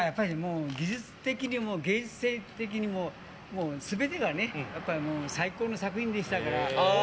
技術的にも芸術的にも全てが最高の作品でしたから。